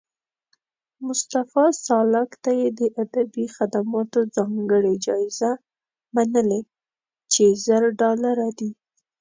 مصطفی سالک ته یې د ادبي خدماتو ځانګړې جایزه منلې چې زر ډالره دي